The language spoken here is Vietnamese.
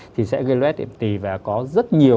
thì sẽ gây lết điểm tì và có rất nhiều